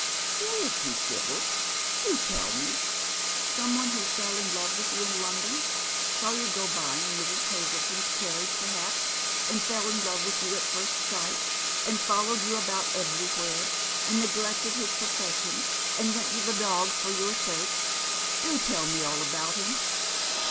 Who is he, Sibyl ? Do tell me. Some one who fell in love with you in London ; saw you go in by Mns. llazleton's carriage perhaps, and fell in love with you at fust sight, and followed you about everywhere, and neglected liia profession, and went to the dogs for your sake. Do tell me all about him."